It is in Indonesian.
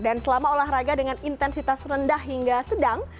dan selama olahraga dengan intensitas rendah hingga sedang